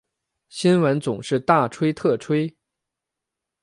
新闻总是大吹特吹